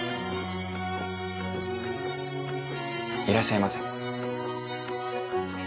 いらっしゃいませ。